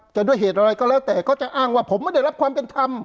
ด้วยเหตุอะไรก็แล้วแต่ก็จะอ้างว่าผมไม่ได้รับความเป็นธรรม